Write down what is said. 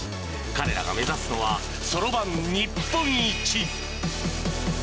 彼らが目指すのはそろばん日本一。